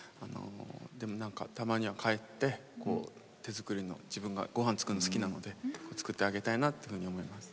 でもたまには帰って手作りの自分がごはん作るのが好きなので作ってあげたいなっていうふうに思います。